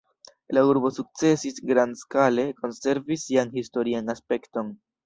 La urbo sukcesis grandskale konservi sian historian aspekton.